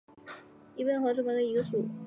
束尾草属是禾本科下的一个属。